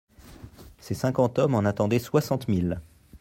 Ces cinquante hommes en attendaient soixante mille.